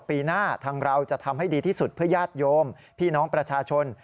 ปีหน้าทางเราจะทำให้ดีที่สุดเพื่อญาติโยมพี่น้องประชาชน